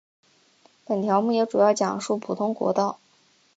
本条目也主要讲述普通国道。